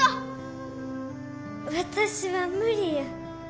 私は無理や。